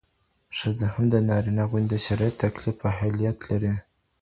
ښځه هم د نارينه غوندي د شرعي تکليف اهليت لري.